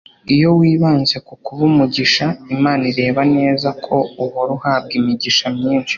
iyo wibanze ku kuba umugisha, imana ireba neza ko uhora uhabwa imigisha myinshi